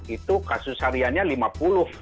itu kasus hariannya lima puluh